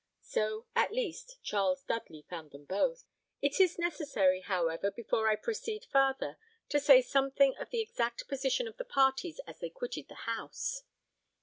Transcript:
So, at least, Charles Dudley found them both. It is necessary, however, before I proceed farther, to say something of the exact position of the parties as they quitted the house.